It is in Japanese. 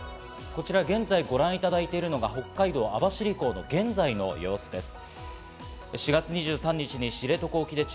こちら、現在ご覧いただいているのが北海道網走港の現在の様子です。